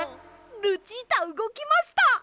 ルチータうごきました！